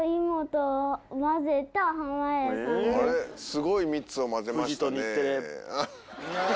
すごい３つをまぜましたね。